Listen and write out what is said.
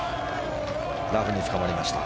ラフにつかまりました。